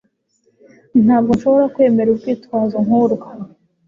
Ntabwo nshobora kwemera urwitwazo nkurwo.